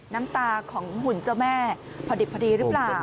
น้ำตาของหุ่นเจ้าแม่พอดิบพอดีหรือเปล่า